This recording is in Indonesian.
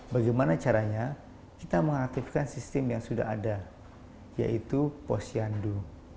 bagaimana caranya kita mengaktifkan sistem yang sudah ada yaitu posyandu